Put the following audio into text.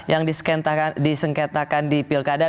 yang disengketakan di pilkada